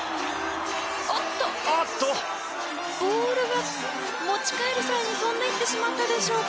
おっと、ボールが持ち替える際に飛んでいってしまったでしょうか。